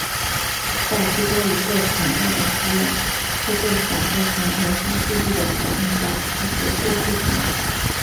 在至多一个潜在的父类是被反射成原生数据的条件下支持多继承。